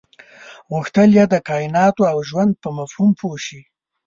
غوښتل یې د کایناتو او ژوند په مفهوم پوه شي.